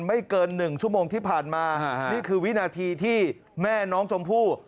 ไม่เกินหนึ่งชั่วโมงที่ผ่านมานี่คือวินาทีที่แม่น้องชมพู่